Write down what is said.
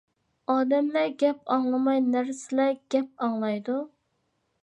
ئادەملەر گەپ ئاڭلىماي نەرسىلەر گەپ ئاڭلايدۇ.